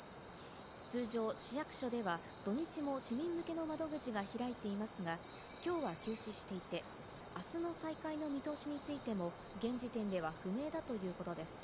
通常、市役所では土日も市民向けの窓口が開いていますが、きょうは休止していてあすの再開の見通しについても現時点では不明だということです。